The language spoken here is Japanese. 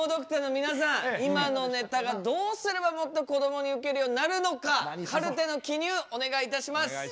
今のネタがどうすればもっとこどもにウケるようになるのかカルテの記入お願いいたします！